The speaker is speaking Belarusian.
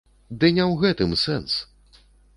Ды не ў гэтым сэнс!